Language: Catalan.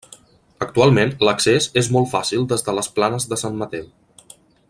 Actualment, l'accés és molt fàcil des de les planes de Sant Mateu.